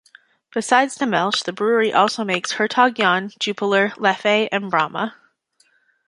Besides "Dommelsch" the brewery also makes "Hertog Jan", "Jupiler", "Leffe" and "Brahma".